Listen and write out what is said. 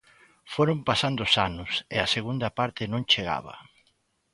Foron pasando os anos, e a segunda parte non chegaba.